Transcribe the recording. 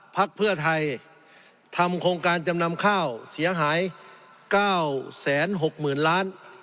พักเพื่อไทยทำโครงการจำนำข้าวเสียหาย๙๖๐๐๐ล้าน